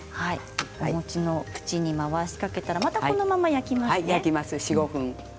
お餅の縁に回しかけたらまたこのまま焼きますね。